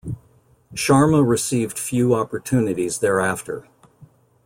Sharma received few opportunities thereafter.